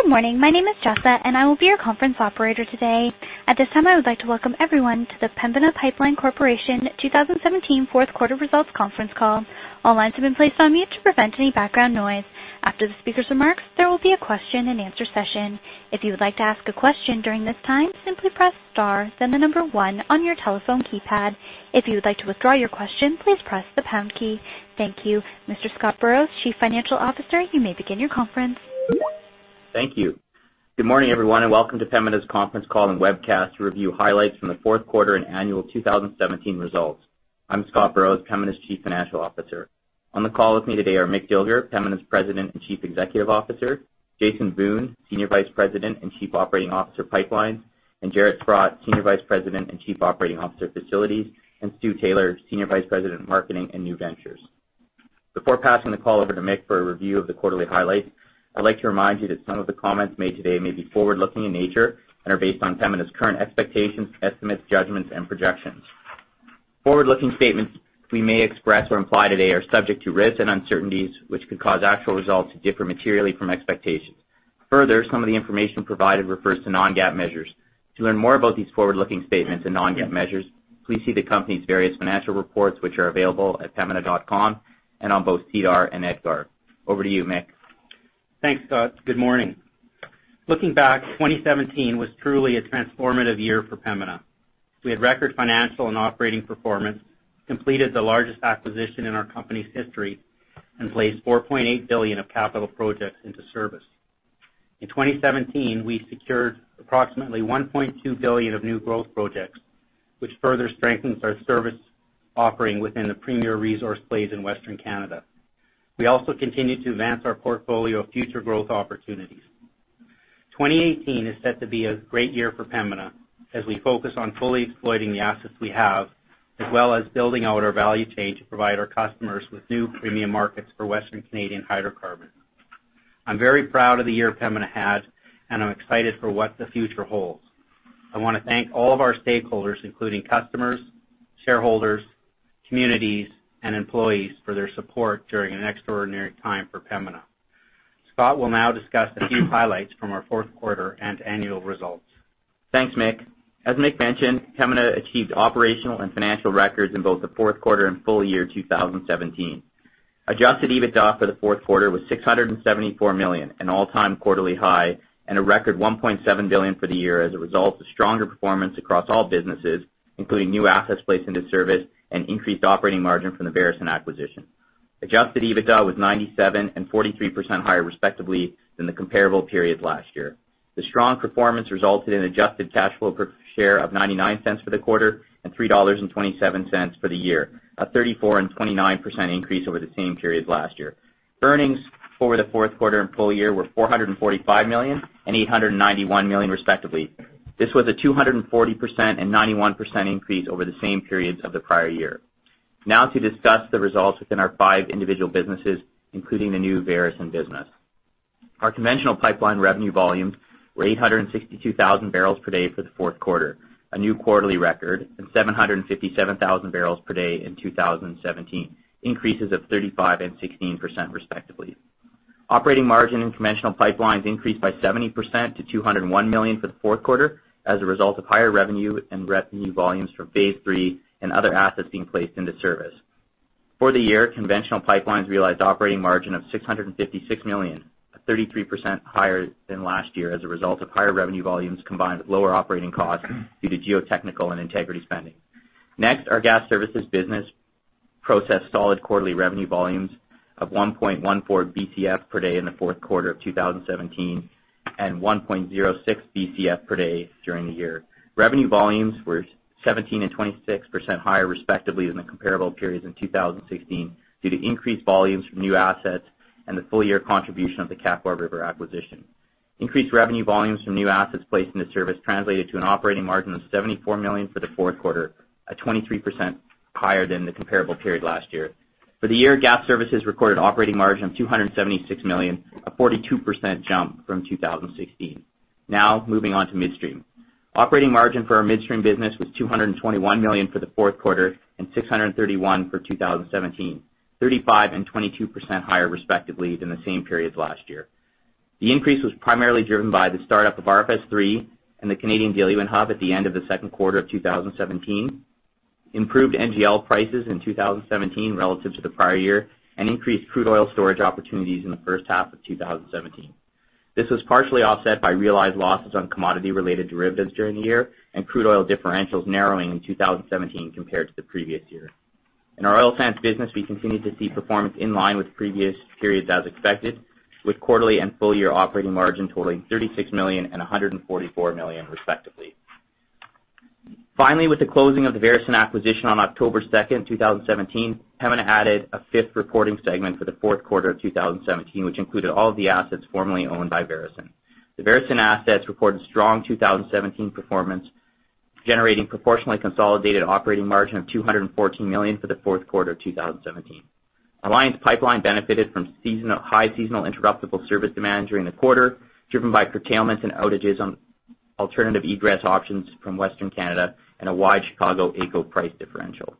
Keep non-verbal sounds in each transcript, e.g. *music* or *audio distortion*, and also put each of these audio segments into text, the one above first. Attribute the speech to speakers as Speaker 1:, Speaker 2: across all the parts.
Speaker 1: Good morning. My name is Jasa, and I will be your conference operator today. At this time, I would like to welcome everyone to the Pembina Pipeline Corporation 2017 fourth quarter results conference call. All lines have been placed on mute to prevent any background noise. After the speaker's remarks, there will be a question and answer session. If you would like to ask a question during this time, simply press star then the number one on your telephone keypad. If you would like to withdraw your question, please press the pound key. Thank you. Mr. Scott Burrows, Chief Financial Officer, you may begin your conference.
Speaker 2: Thank you. Good morning, everyone, and welcome to Pembina's conference call and webcast to review highlights from the fourth quarter and annual 2017 results. I'm Scott Burrows, Pembina's Chief Financial Officer. On the call with me today are Mick Dilger, Pembina's President and Chief Executive Officer, Jason Wiun, Senior Vice President and Chief Operating Officer, Pipelines, and Jaret Sprott, Senior Vice President and Chief Operating Officer, Facilities, and Stu Taylor, Senior Vice President of Marketing and New Ventures. Before passing the call over to Mick for a review of the quarterly highlights, I'd like to remind you that some of the comments made today may be forward-looking in nature and are based on Pembina's current expectations, estimates, judgments and projections. Forward-looking statements we may express or imply today are subject to risks and uncertainties, which could cause actual results to differ materially from expectations. Further, some of the information provided refers to non-GAAP measures. To learn more about these forward-looking statements and non-GAAP measures, please see the company's various financial reports, which are available at pembina.com and on both SEDAR and EDGAR. Over to you, Mick.
Speaker 3: Thanks, Scott. Good morning. Looking back, 2017 was truly a transformative year for Pembina. We had record financial and operating performance, completed the largest acquisition in our company's history, and placed 4.8 billion of capital projects into service. In 2017, we secured approximately 1.2 billion of new growth projects, which further strengthens our service offering within the premier resource plays in Western Canada. We also continue to advance our portfolio of future growth opportunities. 2018 is set to be a great year for Pembina as we focus on fully exploiting the assets we have, as well as building out our value chain to provide our customers with new premium markets for Western Canadian hydrocarbon. I'm very proud of the year Pembina had, and I'm excited for what the future holds. I want to thank all of our stakeholders, including customers, shareholders, communities, and employees for their support during an extraordinary time for Pembina. Scott will now discuss a few highlights from our fourth quarter and annual results.
Speaker 2: Thanks, Mick. As Mick mentioned, Pembina achieved operational and financial records in both the fourth quarter and full year 2017. Adjusted EBITDA for the fourth quarter was 674 million, an all-time quarterly high and a record 1.7 billion for the year as a result of stronger performance across all businesses, including new assets placed into service and increased operating margin from the Veresen acquisition. Adjusted EBITDA was 97% and 43% higher, respectively, than the comparable period last year. The strong performance resulted in adjusted cash flow per share of 0.99 for the quarter and 3.27 dollars for the year, a 34% and 29% increase over the same period last year. Earnings for the fourth quarter and full year were 445 million and 891 million, respectively. This was a 240% and 91% increase over the same periods of the prior year. Now to discuss the results within our five individual businesses, including the new Veresen business. Our conventional pipeline revenue volumes were 862,000 bbl per day for the fourth quarter, a new quarterly record, and 757,000 bbl per day in 2017, increases of 35% and 16%, respectively. Operating margin in conventional pipelines increased by 70% to 201 million for the fourth quarter as a result of higher revenue and revenue volumes from phase III and other assets being placed into service. For the year, conventional pipelines realized operating margin of 656 million, 33% higher than last year as a result of higher revenue volumes combined with lower operating costs due to geotechnical and integrity spending. Next, our gas services business processed solid quarterly revenue volumes of 1.14 Bcf per day in the fourth quarter of 2017 and 1.06 Bcf per day during the year. Revenue volumes were 17% and 26% higher, respectively, than the comparable periods in 2016 due to increased volumes from new assets and the full year contribution of the Kakwa River acquisition. Increased revenue volumes from new assets placed into service translated to an operating margin of 74 million for the fourth quarter, 23% higher than the comparable period last year. For the year, gas services recorded operating margin of 276 million, a 42% jump from 2016. Now moving on to midstream. Operating margin for our midstream business was 221 million for the fourth quarter and 631 for 2017, 35% and 22% higher, respectively, than the same period last year. The increase was primarily driven by the startup of Redwater Fractionation and Storage Facility III and the Canadian Diluent Hub at the end of the second quarter of 2017, improved Natural Gas Liquids prices in 2017 relative to the prior year, and increased crude oil storage opportunities in the first half of 2017. This was partially offset by realized losses on commodity-related derivatives during the year and crude oil differentials narrowing in 2017 compared to the previous year. In our oil sands business, we continued to see performance in line with previous periods as expected, with quarterly and full year operating margin totaling 36 million and 144 million, respectively. Finally, with the closing of the Veresen acquisition on October 2nd, 2017, Pembina added a fifth reporting segment for the fourth quarter of 2017, which included all of the assets formerly owned by Veresen. The Veresen assets reported strong 2017 performance, generating proportionally consolidated operating margin of 214 million for the fourth quarter of 2017. Alliance Pipeline benefited from high seasonal interruptible service demand during the quarter, driven by curtailments and outages on alternative egress options from Western Canada and a wide Chicago-AECO price differential.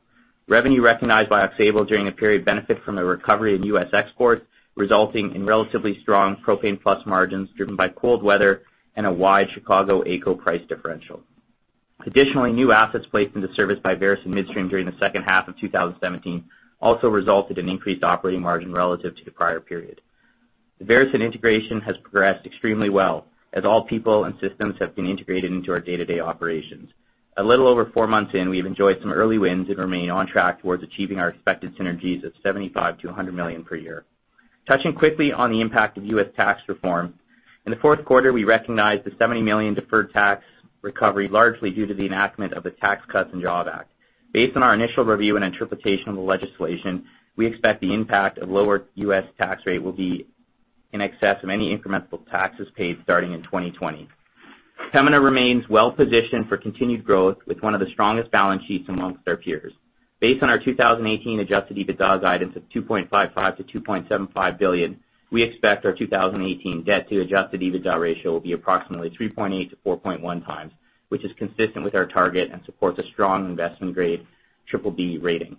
Speaker 2: Revenue recognized by Aux Sable during the period benefited from a recovery in U.S. exports, resulting in relatively strong propane plus margins driven by cold weather and a wide Chicago-AECO price differential. Additionally, new assets placed into service by Veresen Midstream during the second half of 2017 also resulted in increased operating margin relative to the prior period. The Veresen integration has progressed extremely well as all people and systems have been integrated into our day-to-day operations. A little over four months in, we've enjoyed some early wins and remain on track towards achieving our expected synergies of 75 million-100 million per year. Touching quickly on the impact of U.S. tax reform. In the fourth quarter, we recognized a 70 million deferred tax recovery, largely due to the enactment of the Tax Cuts and Jobs Act. Based on our initial review and interpretation of the legislation, we expect the impact of lower U.S. tax rate will be in excess of any incremental taxes paid starting in 2020. Pembina remains well-positioned for continued growth with one of the strongest balance sheets among our peers. Based on our 2018 Adjusted EBITDA guidance of 2.55 billion-2.75 billion, we expect our 2018 Net Debt to Adjusted EBITDA ratio will be approximately 3.8x-4.1x, which is consistent with our target and supports a strong investment-grade triple-B rating.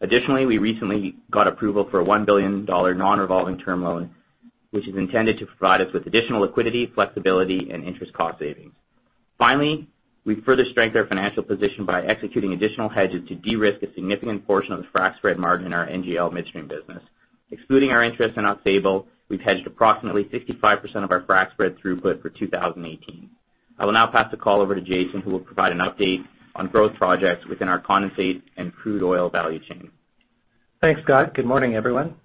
Speaker 2: Additionally, we recently got approval for a 1 billion dollar non-revolving term loan, which is intended to provide us with additional liquidity, flexibility, and interest cost savings. Finally, we further strengthened our financial position by executing additional hedges to de-risk a significant portion of the fractionation spread margin in our NGL midstream business. Excluding our interest in Aux Sable, we've hedged approximately 55% of our fractionation spread throughput for 2018. I will now pass the call over to Jason, who will provide an update on growth projects within our condensate and crude oil value chain.
Speaker 4: Thanks, Scott. Good morning, everyone.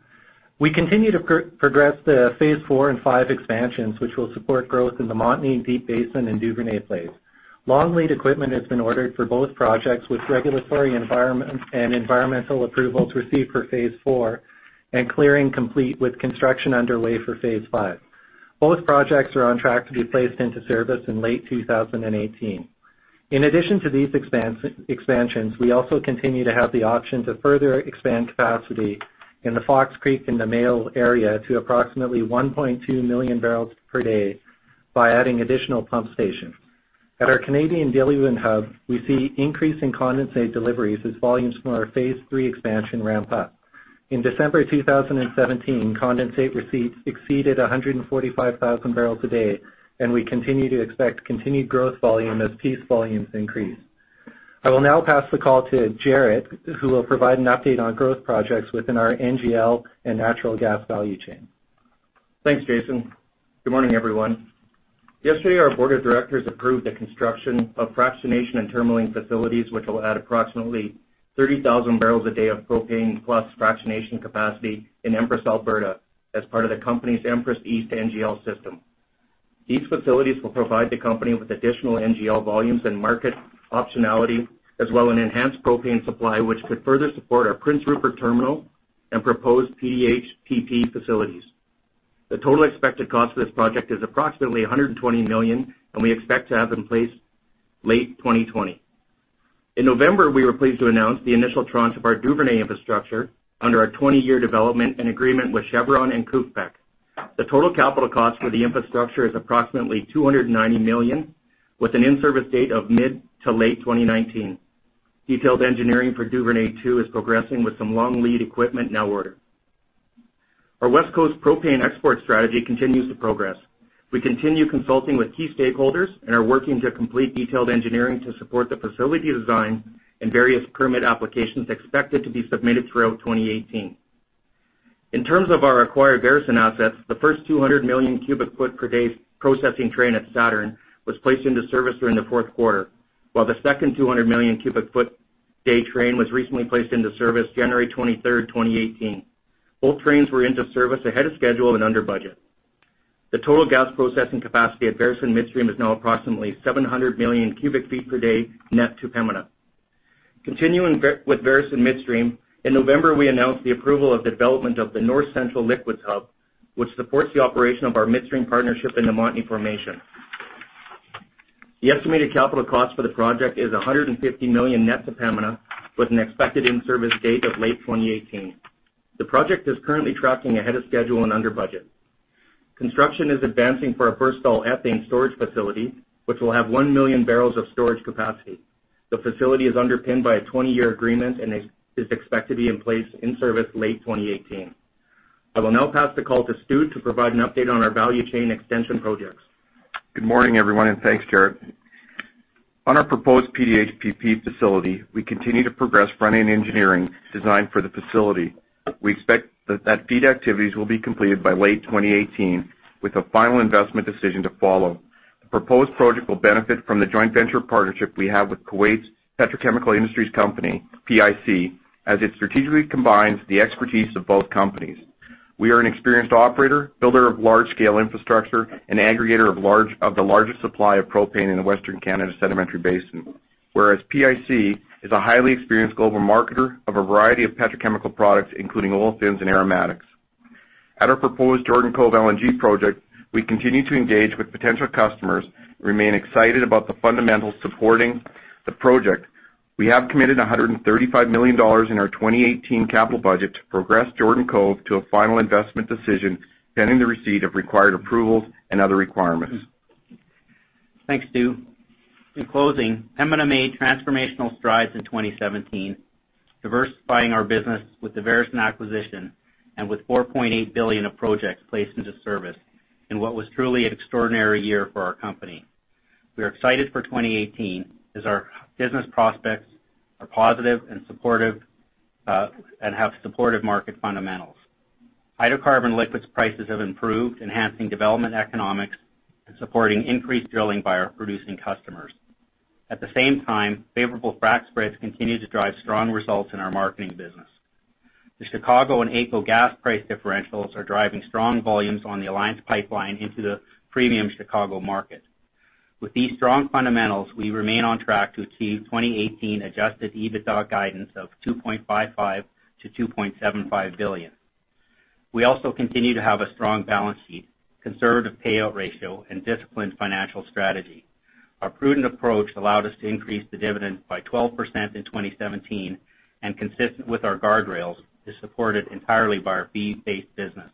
Speaker 4: We continue to progress the phase IV and phase V expansions, which will support growth in the Montney Deep Basin and Duvernay plays. Long lead equipment has been ordered for both projects, with regulatory environment and environmental approvals received for phase IV and clearing complete with construction underway for phase V. Both projects are on track to be placed into service in late 2018. In addition to these expansions, we also continue to have the option to further expand capacity in the Fox Creek and the Meikle area to approximately 1.2 million barrels per day by adding additional pump stations. At our Canadian Diluent Hub, we see increasing condensate deliveries as volumes from our phase III expansion ramp up. In December 2017, condensate receipts exceeded 145,000 bbl a day, and we continue to expect continued growth volume as Peace volumes increase. I will now pass the call to Jaret, who will provide an update on growth projects within our NGL and natural gas value chain.
Speaker 5: Thanks, Jason. Good morning, everyone. Yesterday, our board of directors approved the construction of fractionation and terminalling facilities, which will add approximately 30,000 bbl a day of propane plus fractionation capacity in Empress, Alberta as part of the company's Empress East NGL system. These facilities will provide the company with additional NGL volumes and market optionality, as well as an enhanced propane supply, which could further support our Prince Rupert Terminal and proposed PDH/PP facilities. The total expected cost of this project is approximately 120 million, and we expect to have them placed in service late 2020. In November, we were pleased to announce the initial tranche of our Duvernay infrastructure under our 20-year development agreement with Chevron and CNOOC. The total capital cost for the infrastructure is approximately 290 million, with an in-service date of mid- to late 2019. Detailed engineering for Duvernay two is progressing with some long lead equipment now ordered. Our West Coast propane export strategy continues to progress. We continue consulting with key stakeholders and are working to complete detailed engineering to support the facility design and various permit applications expected to be submitted throughout 2018. In terms of our acquired Veresen assets, the first 200 million cu ft per day processing train at Saturn was placed into service during the fourth quarter, while the second 200 million cu ft per day train was recently placed into service January 23rd, 2018. Both trains went into service ahead of schedule and under budget. The total gas processing capacity at Veresen Midstream is now approximately 700 million cu ft per day net to Pembina. Continuing with Veresen Midstream, in November, we announced the approval of development of the North Central Liquids Hub, which supports the operation of our midstream partnership in the Montney formation. The estimated capital cost for the project is 150 million net to Pembina, with an expected in-service date of late 2018. The project is currently tracking ahead of schedule and under budget. Construction is advancing for our first Alberta Ethane storage facility, which will have 1 million bbl of storage capacity. The facility is underpinned by a 20-year agreement and is expected to be in place in service late 2018. I will now pass the call to Stu to provide an update on our value chain extension projects.
Speaker 6: Good morning, everyone, and thanks, Jaret. On our proposed PDH/PP facility, we continue to progress front-end engineering design for the facility. We expect that feed activities will be completed by late 2018, with a final investment decision to follow. The proposed project will benefit from the joint venture partnership we have with Kuwait's Petrochemical Industries Company, PIC, as it strategically combines the expertise of both companies. We are an experienced operator, builder of large-scale infrastructure, and aggregator of the largest supply of propane in the Western Canada Sedimentary Basin. Whereas PIC is a highly experienced global marketer of a variety of petrochemical products, including olefins and aromatics. At our proposed Jordan Cove LNG project, we continue to engage with potential customers, remain excited about the fundamentals supporting the project. We have committed $135 million in our 2018 capital budget to progress Jordan Cove to a final investment decision, pending the receipt of required approvals and other requirements.
Speaker 3: Thanks, Stu. In closing, Pembina made transformational strides in 2017, diversifying our business with the Veresen acquisition and with 4.8 billion of projects placed into service in what was truly an extraordinary year for our company. We are excited for 2018, as our business prospects are positive and have supportive market fundamentals. Hydrocarbon liquids prices have improved, enhancing development economics and supporting increased drilling by our producing customers. At the same time, favorable frac spreads continue to drive strong results in our marketing business. The Chicago and Alberta Energy Company gas price differentials are driving strong volumes on the Alliance Pipeline into the premium Chicago market. With these strong fundamentals, we remain on track to achieve 2018 Adjusted EBITDA guidance of 2.55 billion-2.75 billion. We also continue to have a strong balance sheet, conservative payout ratio, and disciplined financial strategy. Our prudent approach allowed us to increase the dividend by 12% in 2017, and consistent with our guardrails, is supported entirely by our fee-based business.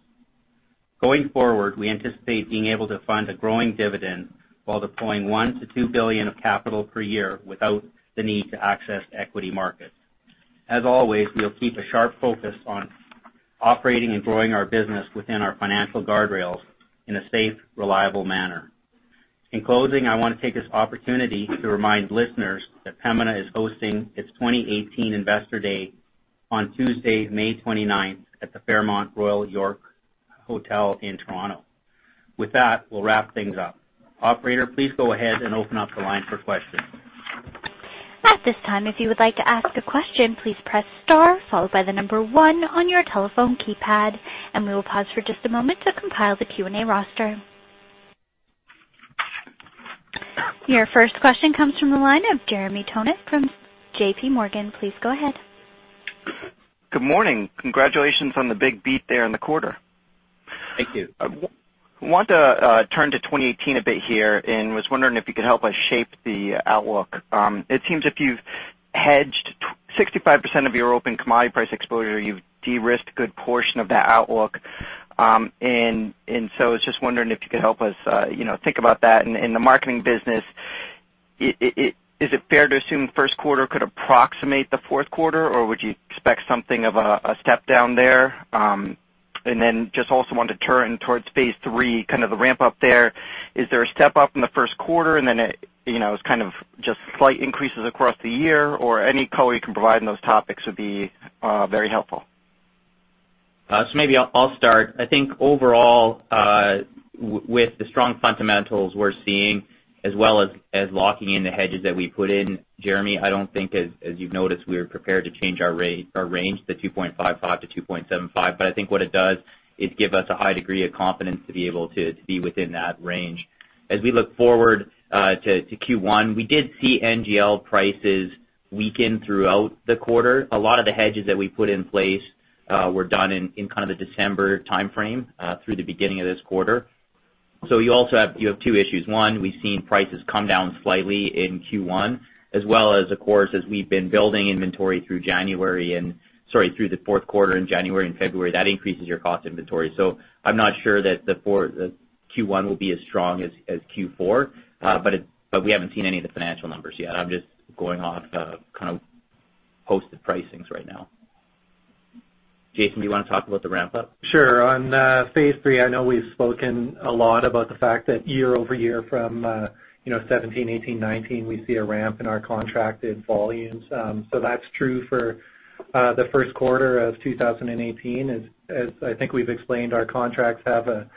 Speaker 3: Going forward, we anticipate being able to fund a growing dividend while deploying 1 billion-2 billion of capital per year without the need to access equity markets. As always, we'll keep a sharp focus on operating and growing our business within our financial guardrails in a safe, reliable manner. In closing, I want to take this opportunity to remind listeners that Pembina is hosting its 2018 Investor Day on Tuesday, May 29th at the Fairmont Royal York Hotel in Toronto. With that, we'll wrap things up. Operator, please go ahead and open up the line for questions.
Speaker 1: At this time, if you would like to ask a question, please press star followed by the number one on your telephone keypad, and we will pause for just a moment to compile the Q&A roster. Your first question comes from the line of Jeremy Tonet from JPMorgan. Please go ahead.
Speaker 7: Good morning. Congratulations on the big beat there in the quarter.
Speaker 2: Thank you.
Speaker 7: I want to turn to 2018 a bit here and was wondering if you could help us shape the outlook. It seems if you've hedged 65% of your open commodity price exposure, you've de-risked a good portion of that outlook. I was just wondering if you could help us think about that. In the marketing business, is it fair to assume first quarter could approximate the fourth quarter, or would you expect something of a step down there? Just also wanted to turn towards phase III, kind of the ramp up there. Is there a step up in the first quarter and then it's kind of just slight increases across the year? Any color you can provide on those topics would be very helpful.
Speaker 2: Maybe I'll start. I think overall, with the strong fundamentals we're seeing, as well as locking in the hedges that we put in, Jeremy, I don't think, as you've noticed, we are prepared to change our range, the 2.55-2.75, but I think what it does is give us a high degree of confidence to be able to be within that range. As we look forward to Q1, we did see NGL prices weaken throughout the quarter. A lot of the hedges that we put in place were done in kind of the December timeframe through the beginning of this quarter. You have two issues. One, we've seen prices come down slightly in Q1, as well as, of course, as we've been building inventory through the fourth quarter in January and February. That increases your cost inventory. I'm not sure that Q1 will be as strong as Q4, but we haven't seen any of the financial numbers yet. I'm just going off of kind of posted pricings right now. Jason, do you want to talk about the ramp up?
Speaker 4: Sure. On phase III, I know we've spoken a lot about the fact that year-over-year from 2017, 2018, 2019, we see a ramp in our contracted volumes. That's true for the first quarter of 2018. As I think we've explained, our contracts have a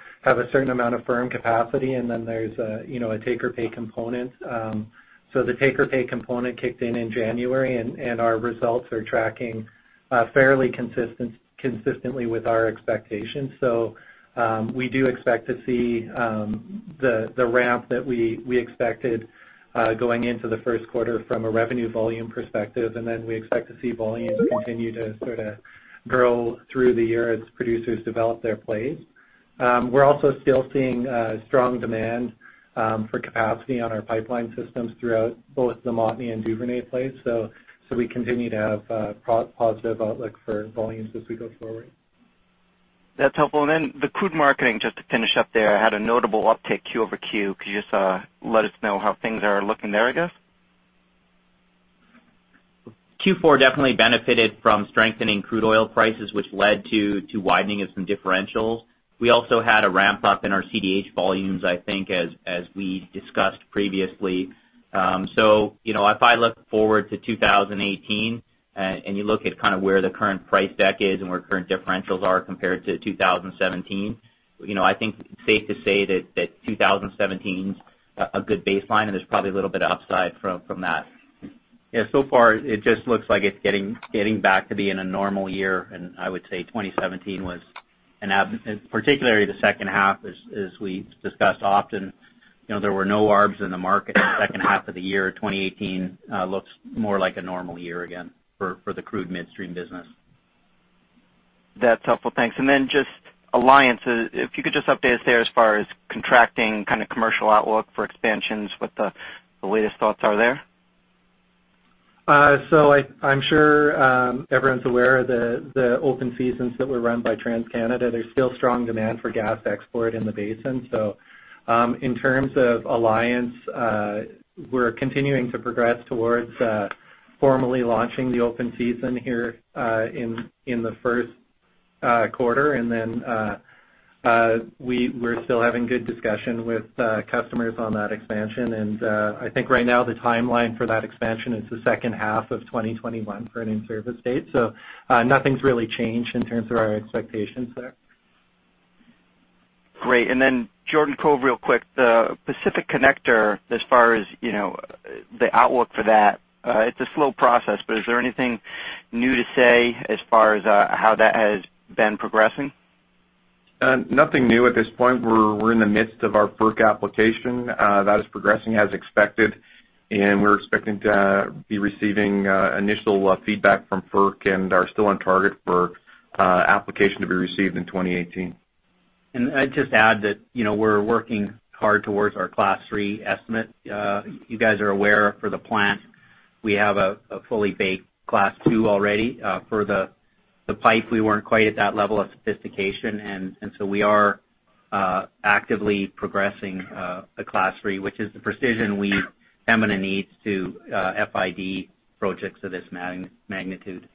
Speaker 4: certain amount of firm capacity, and then there's a take or pay component. The take or pay component kicked in in January, and our results are tracking fairly consistently with our expectations. We do expect to see the ramp that we expected going into the first quarter from a revenue volume perspective, and then we expect to see volumes continue to sort of grow through the year as producers develop their plays. We're also still seeing strong demand for capacity on our pipeline systems throughout both the Montney and Duvernay plays. We continue to have a positive outlook for volumes as we go forward.
Speaker 7: That's helpful. The crude marketing, just to finish up there, had a notable uptick quarter-over-quarter. Could you just let us know how things are looking there, I guess?
Speaker 2: Q4 definitely benefited from strengthening crude oil prices, which led to widening of some differentials. We also had a ramp up in our Canadian Diluent Hub volumes, I think, as we discussed previously. If I look forward to 2018 and you look at kind of where the current price deck is and where current differentials are compared to 2017, I think it's safe to say that 2017's a good baseline, and there's probably a little bit of upside from that. Yeah, so far, it just looks like it's getting back to being a normal year, and I would say 2017 was particularly the second half, as we've discussed often, there were no arbs in the market in the second half of the year. 2018 looks more like a normal year again for the crude midstream business.
Speaker 7: That's helpful. Thanks. Just Alliance, if you could just update us there as far as contracting, kind of commercial outlook for expansions, what the latest thoughts are there?
Speaker 4: I'm sure everyone's aware of the open seasons that were run by TransCanada. There's still strong demand for gas export in the basin. In terms of Alliance, we're continuing to progress towards formally launching the open season here in the first quarter. We're still having good discussion with customers on that expansion. I think right now the timeline for that expansion is the second half of 2021 for an in-service date. Nothing's really changed in terms of our expectations there.
Speaker 7: Great. Jordan Cove real quick, the Pacific Connector, as far as the outlook for that, it's a slow process, but is there anything new to say as far as how that has been progressing?
Speaker 6: Nothing new at this point. We're in the midst of our Federal Energy Regulatory Commission application. That is progressing as expected, and we're expecting to be receiving initial feedback from FERC and are still on target for application to be received in 2018.
Speaker 3: I'd just add that we're working hard towards our Class 3 estimate. You guys are aware for the plant, we have a fully baked Class 2 already. For the pipe, we weren't quite at that level of sophistication. We are actively progressing a Class 3, which is the precision we imminent need to Final Investment Decision projects of this magnitude.
Speaker 7: Thank you.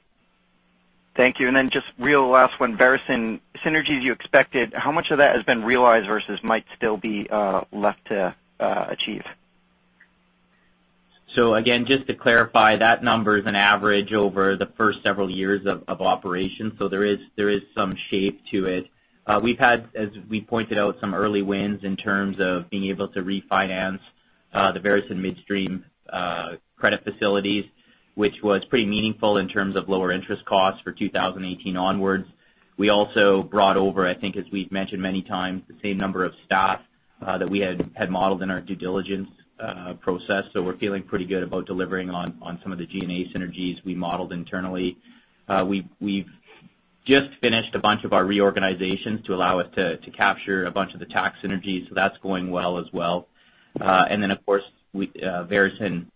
Speaker 7: Just real last one, Veresen. Synergies you expected, how much of that has been realized versus might still be left to achieve?
Speaker 3: Again, just to clarify, that number is an average over the first several years of operation. There is some shape to it. We've had, as we pointed out, some early wins in terms of being able to refinance the Veresen Midstream credit facilities, which was pretty meaningful in terms of lower interest costs for 2018 onward. We also brought over, I think as we've mentioned many times, the same number of staff that we had modeled in our due diligence process. We're feeling pretty good about delivering on some of the G&A synergies we modeled internally. We've just finished a bunch of our reorganizations to allow us to capture a bunch of the tax synergies. That's going well as well. Of course, Veresen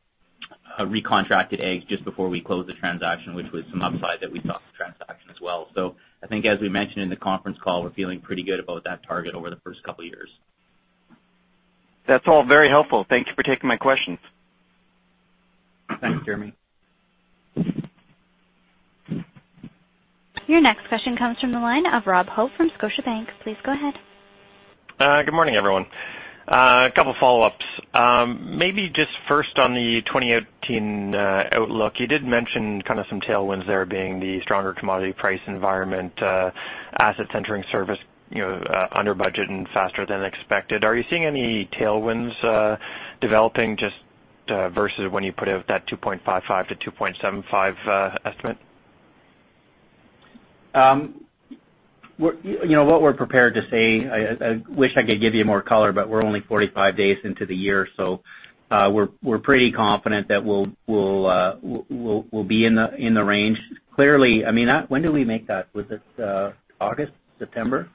Speaker 3: recontracted gas just before we closed the transaction, which was some upside that we saw to the transaction as well. I think as we mentioned in the conference call, we're feeling pretty good about that target over the first couple of years.
Speaker 7: That's all very helpful. Thank you for taking my questions.
Speaker 3: Thanks, Jeremy.
Speaker 1: Your next question comes from the line of Robert Hope from Scotiabank. Please go ahead.
Speaker 8: Good morning, everyone. A couple follow-ups. Maybe just first on the 2018 outlook, you did mention kind of some tailwinds there being the stronger commodity price environment, assets entering service under budget and faster than expected. Are you seeing any tailwinds developing just versus when you put out that 2.55-2.75 estimate?
Speaker 3: What we're prepared to say, I wish I could give you more color, but we're only 45 days into the year, so we're pretty confident that we'll be in the range. Clearly, when did we make that? Was it August, September?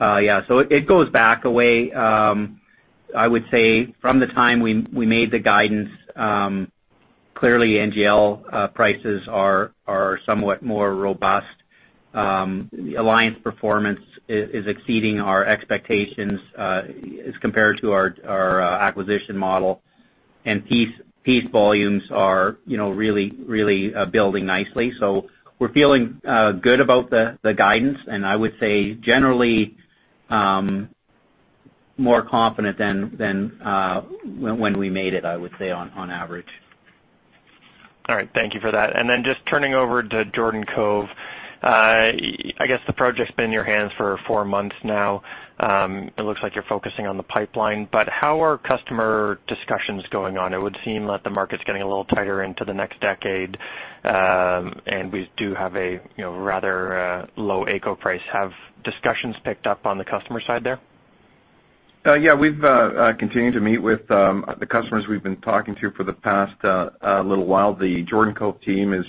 Speaker 6: Yeah.
Speaker 3: Yeah. It goes back a way. I would say from the time we made the guidance, clearly NGL prices are somewhat more robust. Alliance performance is exceeding our expectations as compared to our acquisition model. Peace volumes are really building nicely. We're feeling good about the guidance, and I would say generally more confident than when we made it, I would say, on average.
Speaker 8: All right. Thank you for that. Just turning over to Jordan Cove. I guess the project's been in your hands for four months now. It looks like you're focusing on the pipeline, but how are customer discussions going on? It would seem that the market's getting a little tighter into the next decade, and we do have a rather low AECO price. Have discussions picked up on the customer side there?
Speaker 6: Yeah. We've continued to meet with the customers we've been talking to for the past little while. The Jordan Cove team is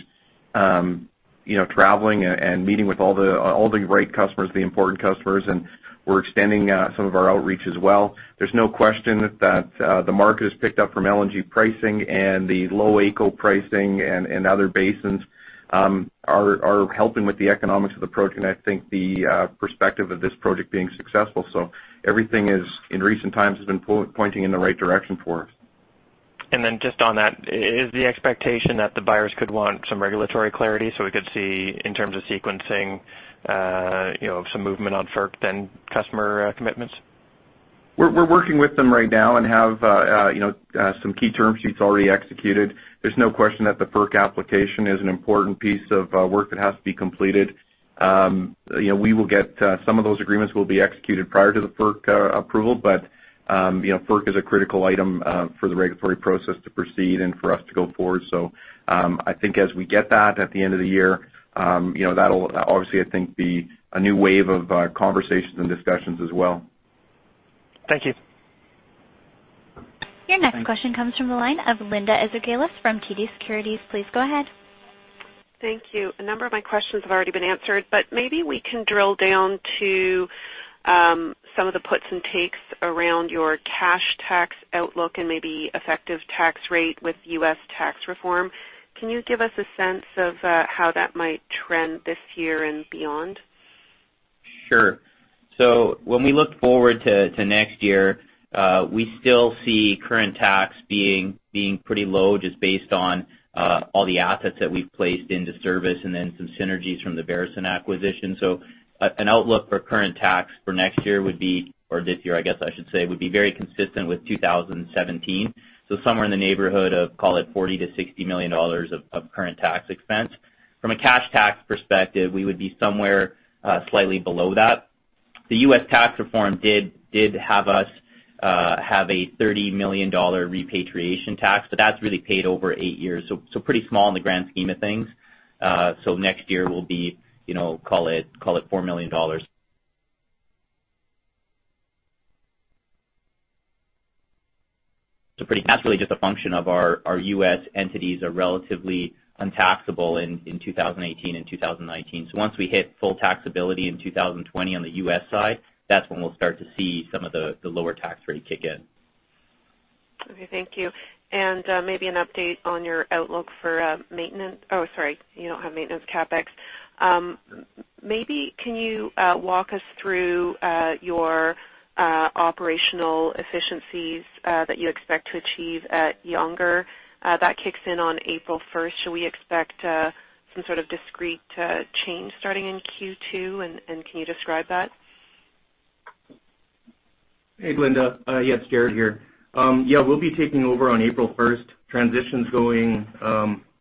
Speaker 6: traveling and meeting with all the right customers, the important customers, and we're extending some of our outreach as well. There's no question that the market has picked up from LNG pricing, and the low AECO pricing and other basins are helping with the economics of the approach, and I think the prospect of this project being successful. Everything in recent times has been pointing in the right direction for us.
Speaker 8: Just on that, is the expectation that the buyers could want some regulatory clarity, so we could see in terms of sequencing, some movement on FERC then customer commitments?
Speaker 6: We're working with them right now and have some key term sheets already executed. There's no question that the FERC application is an important piece of work that has to be completed. Some of those agreements will be executed prior to the FERC approval, but FERC is a critical item for the regulatory process to proceed and for us to go forward. I think as we get that at the end of the year, that'll obviously, I think, be a new wave of conversations and discussions as well.
Speaker 8: Thank you.
Speaker 1: Your next question comes from the line of Linda Ezergailis from TD Securities. Please go ahead.
Speaker 9: Thank you. A number of my questions have already been answered, but maybe we can drill down to some of the puts and takes around your cash tax outlook and maybe effective tax rate with U.S. tax reform. Can you give us a sense of how that might trend this year and beyond?
Speaker 2: Sure. When we look forward to next year, we still see current tax being pretty low just based on all the assets that we've placed into service and then some synergies from the Veresen acquisition. An outlook for current tax for next year would be, or this year I guess I should say, would be very consistent with 2017. Somewhere in the neighborhood of, call it 40 million-60 million dollars of current tax expense. From a cash tax perspective, we would be somewhere slightly below that. The U.S. tax reform did have us have a $30 million repatriation tax, but that's really paid over eight years, so pretty small in the grand scheme of things. Next year will be, call it $4 million. Pretty casually, just a function of our U.S. entities are relatively untaxable in 2018 and 2019. Once we hit full taxability in 2020 on the U.S. side, that's when we'll start to see some of the lower tax rate kick in.
Speaker 9: Okay, thank you. Maybe an update on your outlook for maintenance. Oh, sorry, you don't have maintenance CapEx. Maybe can you walk us through your operational efficiencies that you expect to achieve at Younger? That kicks in on April 1st. Should we expect some sort of discrete change starting in Q2, and can you describe that?
Speaker 5: Hey, Linda Ezergailis. Yeah, it's Jaret Sprott here. Yeah, we'll be taking over on April 1st. Transition's going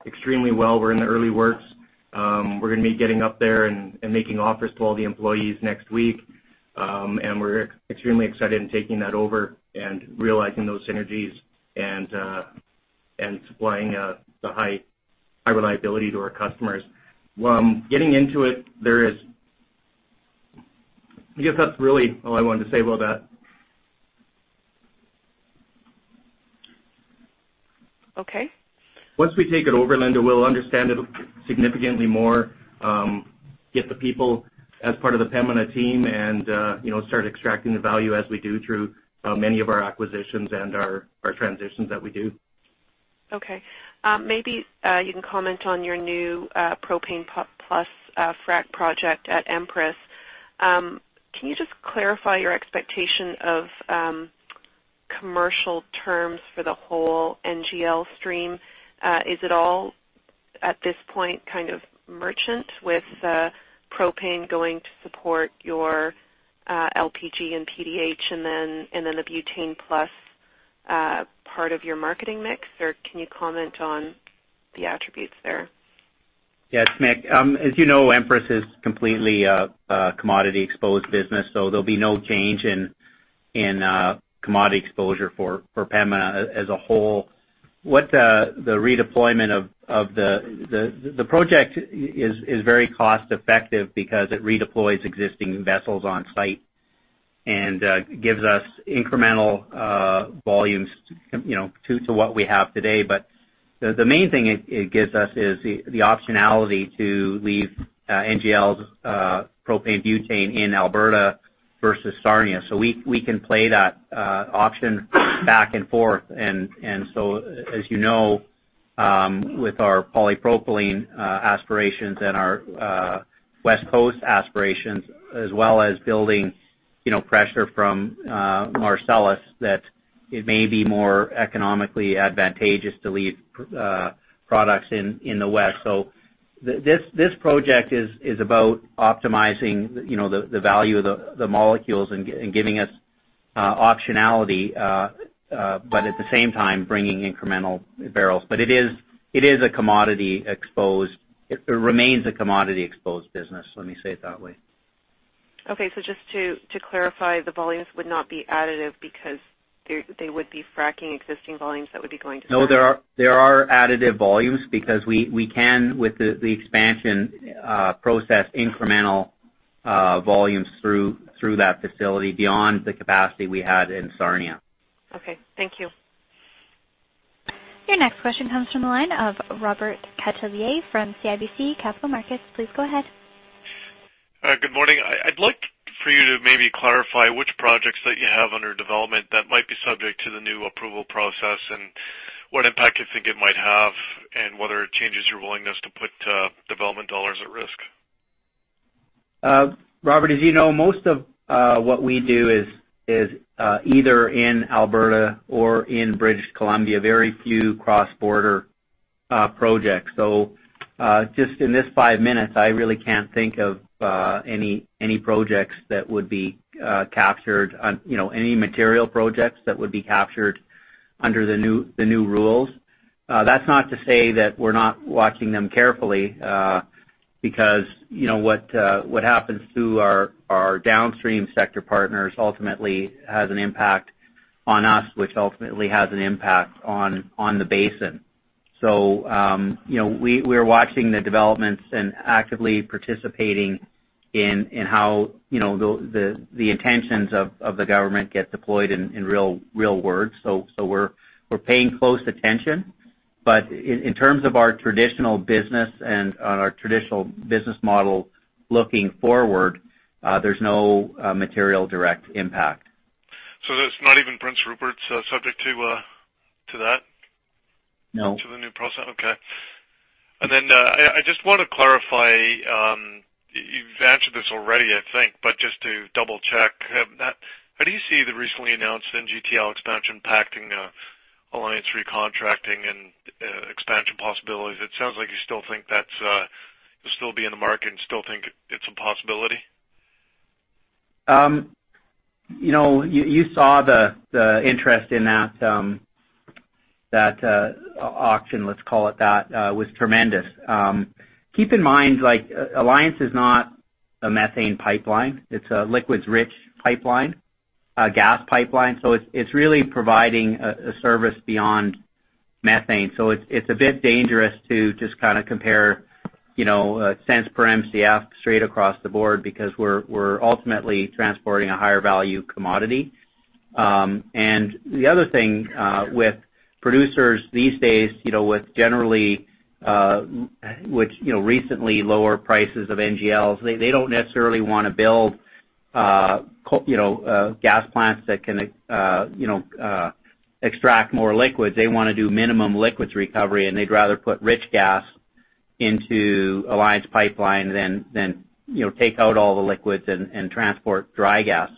Speaker 5: extremely well. We're in the early works. We're going to be getting up there and making offers to all the employees next week. We're extremely excited in taking that over and realizing those synergies and supplying the high reliability to our customers. Getting into it, I guess that's really all I wanted to say about that.
Speaker 9: Okay.
Speaker 5: Once we take it over, Linda, we'll understand it significantly more, get the people as part of the Pembina team, and start extracting the value as we do through many of our acquisitions and our transitions that we do.
Speaker 9: Okay. Maybe you can comment on your new propane-plus fractionation project at Empress. Can you just clarify your expectation of commercial terms for the whole NGL stream? Is it all, at this point, kind of merchant with propane going to support your Liquefied Petroleum Gas and Propane Dehydrogenation and then the butane plus part of your marketing mix? Or can you comment on the attributes there?
Speaker 3: Yeah, it's Mick. As you know, Empress is completely a commodity-exposed business, so there'll be no change in commodity exposure for Pembina as a whole. The project is very cost-effective because it redeploys existing vessels on site and gives us incremental volumes to what we have today. The main thing it gives us is the optionality to leave NGLs propane butane in Alberta versus Sarnia. We can play that option back and forth. As you know, with our polypropylene aspirations and our West Coast aspirations, as well as building pressure from Marcellus, that it may be more economically advantageous to leave products in the West. This project is about optimizing the value of the molecules and giving us optionality at the same time, bringing incremental barrels. It remains a commodity-exposed business, let me say it that way.
Speaker 9: Okay. Just to clarify, the volumes would not be additive because they would be fracking existing volumes that would be going to.
Speaker 3: No, there are additive volumes because we can, with the expansion process, incremental volumes through that facility beyond the capacity we had in Sarnia.
Speaker 9: Okay. Thank you.
Speaker 1: Your next question comes from the line of Robert Catellier from CIBC Capital Markets. Please go ahead.
Speaker 10: Good morning. I'd like for you to maybe clarify which projects that you have under development that might be subject to the new approval process and what impact you think it might have, and whether it changes your willingness to put development dollars at risk.
Speaker 3: Robert, as you know, most of what we do is either in Alberta or in British Columbia. Very few cross-border projects. Just in this five minutes, I really can't think of any material projects that would be captured under the new rules. That's not to say that we're not watching them carefully, because what happens to our downstream sector partners ultimately has an impact on us, which ultimately has an impact on the basin. We're watching the developments and actively participating in how the intentions of the government get deployed in real words. We're paying close attention. In terms of our traditional business and on our traditional business model looking forward, there's no material direct impact.
Speaker 10: It's not even Prince Rupert's subject to that?
Speaker 3: No.
Speaker 10: To the new process? Okay. I just want to clarify, you've answered this already I think, but just to double-check. How do you see the recently announced NGTL expansion impacting Alliance recontracting and expansion possibilities? It sounds like you still think you'll still be in the market and still think it's a possibility.
Speaker 3: You saw the interest in that auction, let's call it that, was tremendous. Keep in mind, Alliance is not a methane pipeline. It's a liquids-rich pipeline, a gas pipeline, so it's really providing a service beyond methane. It's a bit dangerous to just compare cents per Mcf straight across the board because we're ultimately transporting a higher value commodity. The other thing, with producers these days, with recently lower prices of NGLs, they don't necessarily want to build gas plants that can extract more liquids. They want to do minimum liquids recovery, and they'd rather put rich gas into Alliance Pipeline than take out all the liquids and transport dry gas.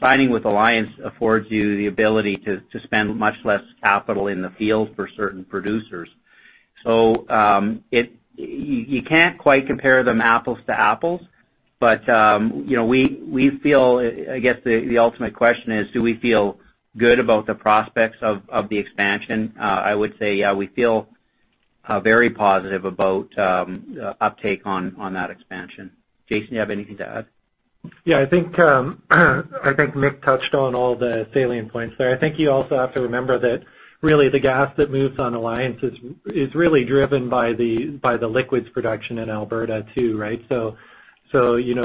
Speaker 3: Signing with Alliance affords you the ability to spend much less capital in the field for certain producers. You can't quite compare them apples to apples, but we feel. I guess the ultimate question is, do we feel good about the prospects of the expansion? I would say yeah, we feel very positive about uptake on that expansion. Jason, you have anything to add?
Speaker 4: Yeah, I think Mick touched on all the salient points there. I think you also have to remember that really the gas that moves on Alliance is really driven by the liquids production in Alberta, too.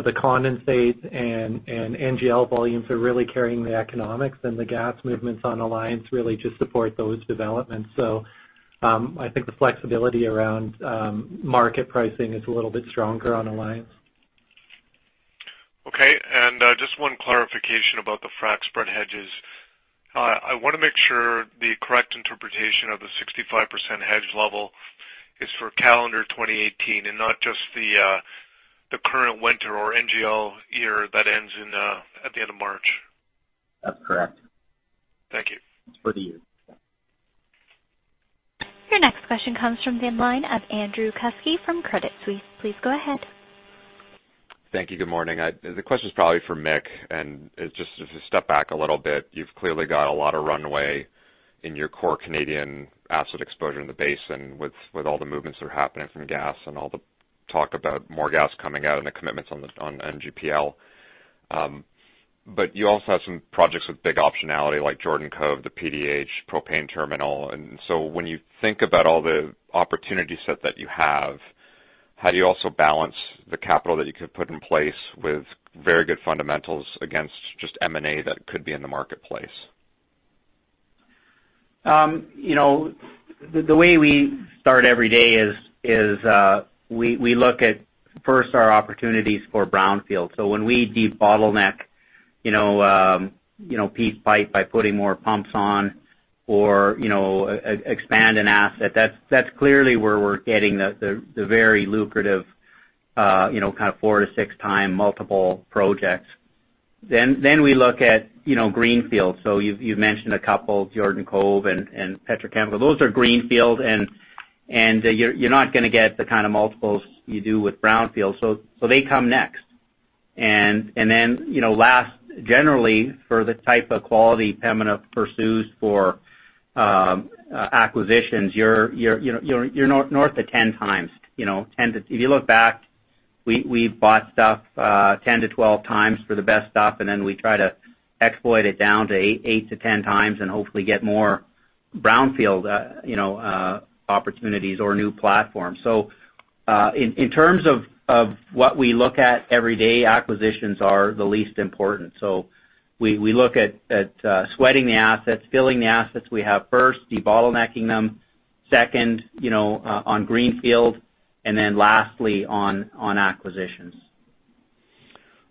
Speaker 4: The condensate and NGL volumes are really carrying the economics, and the gas movements on Alliance really just support those developments. I think the flexibility around market pricing is a little bit stronger on Alliance.
Speaker 10: Okay, just one clarification about the fractionation spread hedges. I want to make sure the correct interpretation of the 65% hedge level is for calendar 2018 and not just the current winter or NGL year that ends at the end of March.
Speaker 2: That's correct.
Speaker 10: Thank you.
Speaker 2: It's for the year. Yeah.
Speaker 1: Your next question comes from the line of Andrew Kuske from Credit Suisse. Please go ahead.
Speaker 11: Thank you. Good morning. The question's probably for Mick, and just to step back a little bit, you've clearly got a lot of runway in your core Canadian asset exposure in the basin with all the movements that are happening from gas and all the talk about more gas coming out and the commitments on NOVA Gas Transmission Ltd.. You also have some projects with big optionality like Jordan Cove, the PDH propane terminal. When you think about all the opportunity set that you have, how do you also balance the capital that you could put in place with very good fundamentals against just M&A that could be in the marketplace?
Speaker 3: The way we start every day is we look at, first, our opportunities for brownfield. When we debottleneck Peace Pipeline by putting more pumps on or expand an asset, that's clearly where we're getting the very lucrative kind of 4x-6x multiple projects. We look at greenfield. You've mentioned a couple, Jordan Cove and Petrochemical. Those are greenfield, and you're not going to get the kind of multiples you do with brownfield. They come next. Last, generally, for the type of quality Pembina pursues for acquisitions, you're north of 10x. If you look back, we've bought stuff 10x-12x for the best stuff, and then we try to exploit it down to 8x-10x and hopefully get more brownfield opportunities or new platforms. In terms of what we look at every day, acquisitions are the least important. We look at sweating the assets, filling the assets we have first, debottlenecking them second, on greenfield, and then lastly on acquisitions.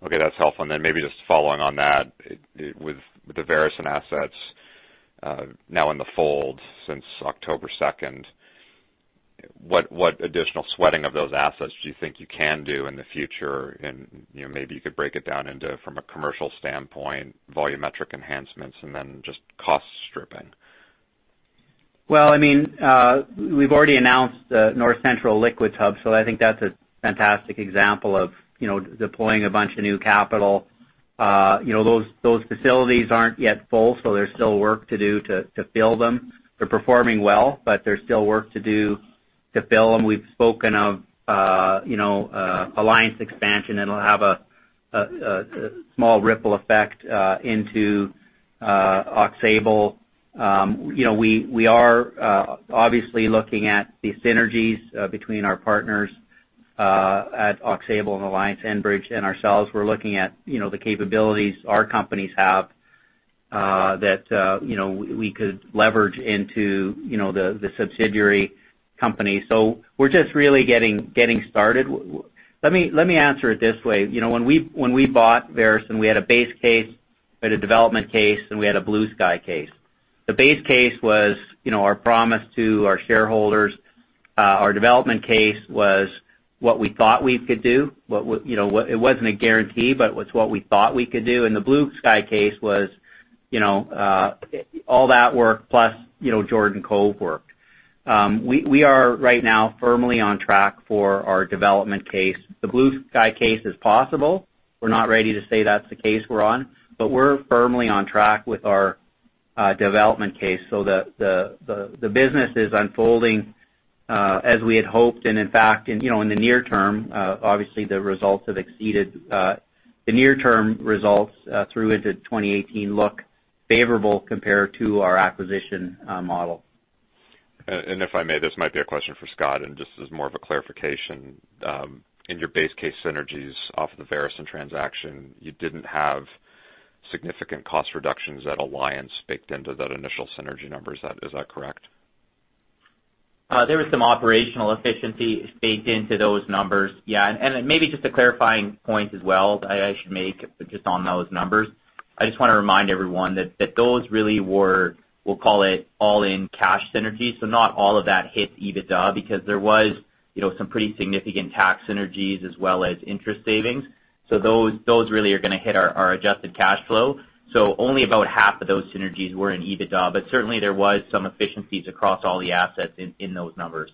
Speaker 11: Okay. That's helpful. Maybe just following on that, with the Veresen assets now in the fold since October 2nd, what additional sweating of those assets do you think you can do in the future? You could break it down into, from a commercial standpoint, volumetric enhancements, and then just cost stripping.
Speaker 3: Well, we've already announced North Central Liquid Hub, so I think that's a fantastic example of deploying a bunch of new capital. Those facilities aren't yet full, so there's still work to do to fill them. They're performing well, but there's still work to do to fill them. We've spoken of Alliance expansion, and it'll have a small ripple effect into Aux Sable. We are obviously looking at the synergies between our partners at Aux Sable and Alliance, Enbridge and ourselves. We're looking at the capabilities our companies have that we could leverage into the subsidiary company. We're just really getting started. Let me answer it this way. When we bought Veresen, we had a base case, we had a development case, and we had a blue-sky case. The base case was our promise to our shareholders. Our development case was what we thought we could do. It wasn't a guarantee, but what we thought we could do. The blue-sky case was all that work, plus Jordan Cove work. We are right now firmly on track for our development case. The blue-sky case is possible. We're not ready to say that's the case we're on, but we're firmly on track with our development case. The business is unfolding as we had hoped. In fact, in the near term, obviously the results have exceeded. The near-term results through into 2018 look favorable compared to our acquisition model.
Speaker 11: If I may, this might be a question for Scott, and just as more of a clarification. In your base case synergies off of the Veresen transaction, you didn't have significant cost reductions at Alliance baked into that initial synergy numbers. Is that correct?
Speaker 2: There was some operational efficiency baked into those numbers, yeah. Then maybe just a clarifying point as well that I should make just on those numbers. I just want to remind everyone that those really were, we'll call it all-in cash synergies. Not all of that hits EBITDA, because there was some pretty significant tax synergies as well as interest savings. Those really are going to hit our adjusted cash flow. Only about half of those synergies were in EBITDA. Certainly, there was some efficiencies across all the assets in those numbers.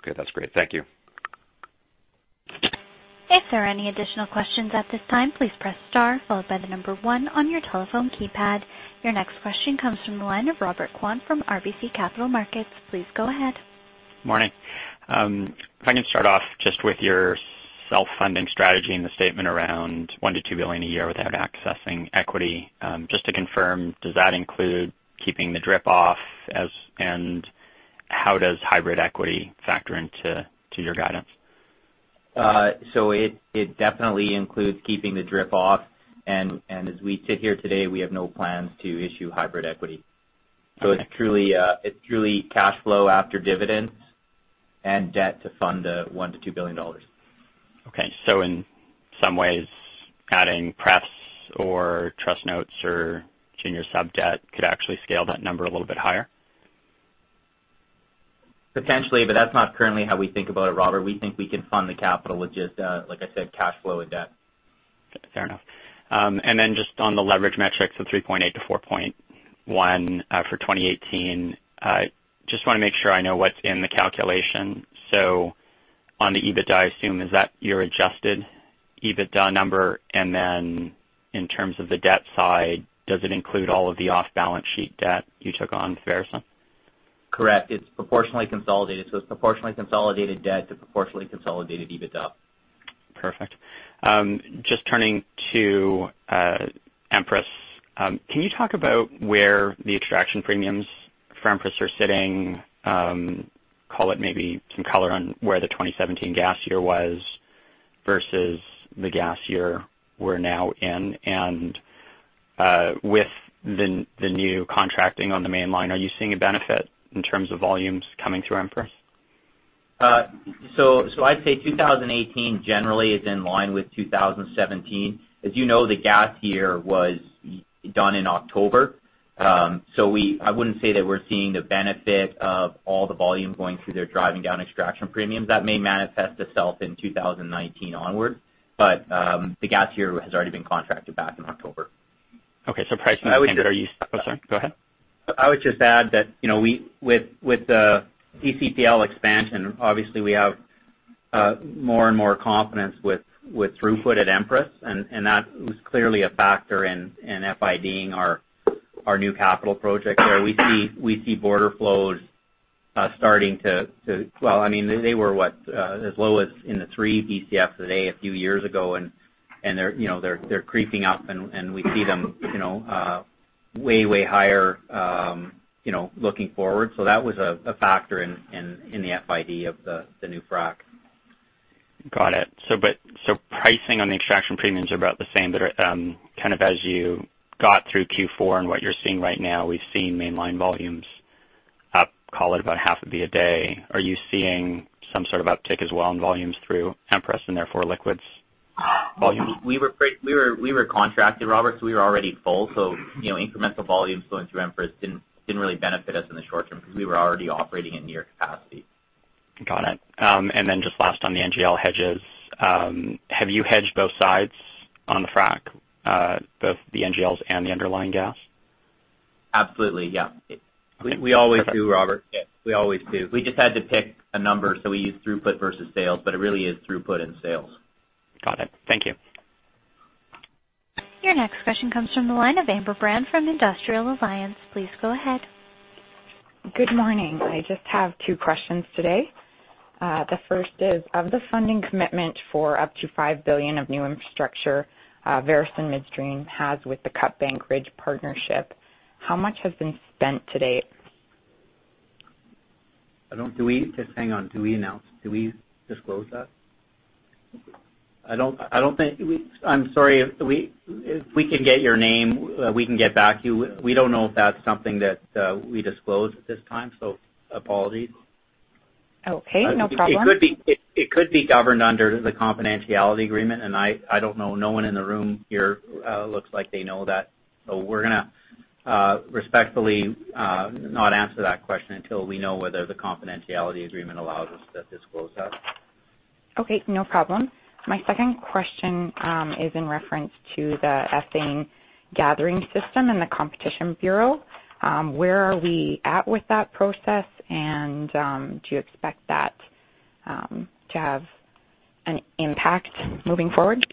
Speaker 11: Okay. That's great. Thank you.
Speaker 1: If there are any additional questions at this time, please press star followed by the number one on your telephone keypad. Your next question comes from the line of Robert Kwan from RBC Capital Markets. Please go ahead.
Speaker 12: Morning. If I can start off just with your self-funding strategy and the statement around 1 billion-2 billion a year without accessing equity. Just to confirm, does that include keeping the Dividend Reinvestment Plan off, and how does hybrid equity factor into your guidance?
Speaker 2: It definitely includes keeping the DRIP off, and as we sit here today, we have no plans to issue hybrid equity.
Speaker 12: Okay.
Speaker 2: It's truly cash flow after dividends and debt to fund the 1 billion-2 billion dollars.
Speaker 12: Okay. In some ways, adding Preferred Shares and Subordinated Notes or junior sub-debt could actually scale that number a little bit higher?
Speaker 2: Potentially, but that's not currently how we think about it, Robert. We think we can fund the capital with just, like I said, cash flow and debt.
Speaker 12: Fair enough. Then just on the leverage metrics of 3.8x-4.1x for 2018, just want to make sure I know what's in the calculation. On the EBITDA, I assume that's your adjusted EBITDA number? Then in terms of the debt side, does it include all of the off-balance sheet debt you took on Veresen?
Speaker 2: Correct. It's proportionally consolidated. It's proportionally consolidated debt to proportionally consolidated EBITDA.
Speaker 12: Perfect. Just turning to Empress. Can you talk about where the extraction premiums for Empress are sitting? Call it maybe some color on where the 2017 gas year was versus the gas year we're now in. With the new contracting on the mainline, are you seeing a benefit in terms of volumes coming through Empress?
Speaker 2: I'd say 2018 generally is in line with 2017. As you know, the gas year was done in October. I wouldn't say that we're seeing the benefit of all the volume going through there, driving down extraction premiums. That may manifest itself in 2019 onward. The gas year has already been contracted back in October. *audio distortion*
Speaker 3: I would just add that with the Enterprise Crude Pipeline LLC expansion, obviously, we have more confidence with throughput at Empress, and that was clearly a factor in FID-ing our new capital project there. We see border flows starting to. Well, they were as low as 3 Bcf a few years ago, and they're creeping up, and we see them way higher looking forward. That was a factor in the FID of the new fractionation.
Speaker 12: Got it. Pricing on the extraction premiums are about the same. Kind of as you got through Q4 and what you're seeing right now, we've seen mainline volumes up, call it about 0.5 billion a day. Are you seeing some sort of uptick as well in volumes through Empress and therefore liquids volume?
Speaker 2: We were contracted, Robert, so we were already full. Incremental volumes going through Empress didn't really benefit us in the short term because we were already operating at near capacity.
Speaker 12: Got it. Just last on the NGL hedges. Have you hedged both sides on the fractionation, both the NGLs and the underlying gas?
Speaker 2: Absolutely, yeah.
Speaker 12: Okay. Perfect.
Speaker 2: We always do, Robert. Yeah, we always do. We just had to pick a number, so we used throughput versus sales, but it really is throughput and sales.
Speaker 12: Got it. Thank you.
Speaker 1: Your next question comes from the line of Amber Brown from Industrial Alliance. Please go ahead.
Speaker 13: Good morning. I just have two questions today. The first is, of the funding commitment for up to 5 billion of new infrastructure Veresen Midstream has with the Cutbank Ridge Partnership, how much has been spent to date?
Speaker 3: Just hang on. Do we disclose that? I'm sorry. If we can get your name, we can get back to you. We don't know if that's something that we disclose at this time, so apologies.
Speaker 13: Okay, no problem.
Speaker 3: It could be governed under the confidentiality agreement, and I don't know. No one in the room here looks like they know that. We're going to respectfully not answer that question until we know whether the confidentiality agreement allows us to disclose that.
Speaker 13: Okay, no problem. My second question is in reference to the ethane gathering system and the Competition Bureau. Where are we at with that process, and do you expect that to have an impact moving forward?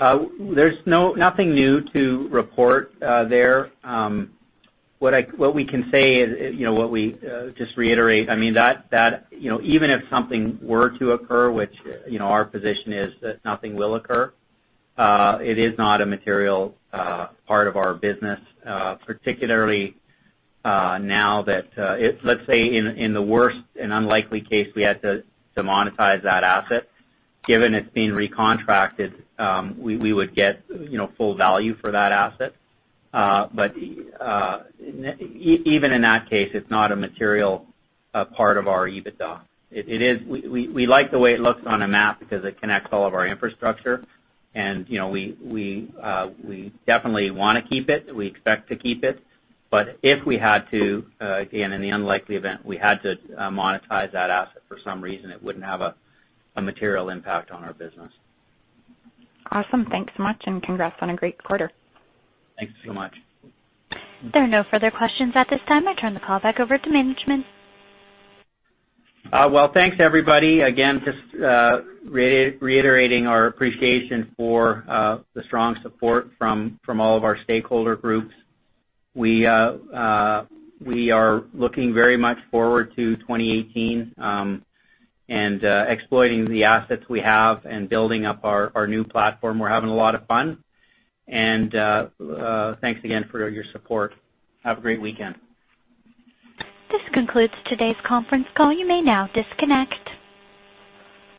Speaker 3: There's nothing new to report there. What we can say is, just to reiterate, even if something were to occur, which our position is that nothing will occur, it is not a material part of our business, particularly now that. Let's say in the worst and unlikely case, we had to monetize that asset. Given it's been recontracted, we would get full value for that asset. But even in that case, it's not a material part of our EBITDA. We like the way it looks on a map because it connects all of our infrastructure, and we definitely want to keep it. We expect to keep it. But if we had to, again, in the unlikely event we had to monetize that asset for some reason, it wouldn't have a material impact on our business.
Speaker 13: Awesome. Thanks so much, and congrats on a great quarter.
Speaker 3: Thanks so much.
Speaker 1: There are no further questions at this time. I turn the call back over to management.
Speaker 3: Well, thanks, everybody. Again, just reiterating our appreciation for the strong support from all of our stakeholder groups. We are looking very much forward to 2018 and exploiting the assets we have and building up our new platform. We're having a lot of fun, and thanks again for your support. Have a great weekend.
Speaker 1: This concludes today's conference call. You may now disconnect.